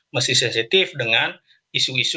mesti sensitif dengan isu isu